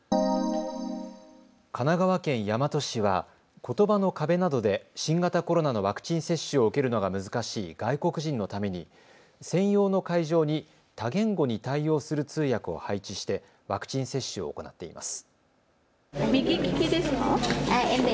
神奈川県大和市はことばの壁などで新型コロナのワクチン接種を受けるのが難しい外国人のために専用の会場に多言語に対応する通訳を配置してワクチン接種を行っています。